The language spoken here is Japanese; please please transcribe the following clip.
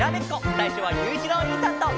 さいしょはゆういちろうおにいさんと！